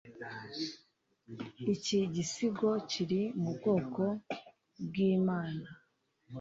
iki gisigo kiri mu bwoko bwimana.